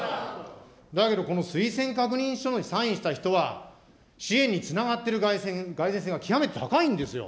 だけどこの推薦確認書にサインした人は、支援につながってるがい然性が極めて高いんですよ。